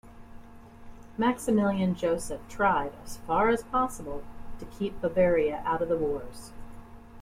Maximilian Joseph tried, as far as possible, to keep Bavaria out of the wars.